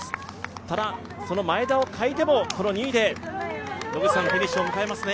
ただその前田を欠いて、２位でフィニッシュを迎えますね。